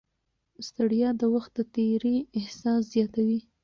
ستړیا د وخت د تېري احساس زیاتوي.